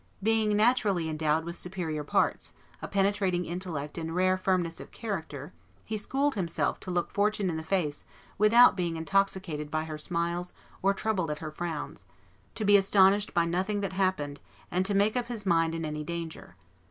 ... Being naturally endowed with superior parts, a penetrating intellect and rare firmness of character, he schooled himself to look Fortune in the face without being intoxicated by her smiles or troubled at her frowns, to be astonished by nothing that happened, and to make up his mind in any danger.